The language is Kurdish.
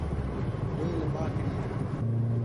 Wê li ba kiriye.